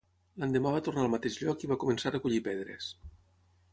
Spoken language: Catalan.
L'endemà va tornar al mateix lloc i va començar a recollir pedres.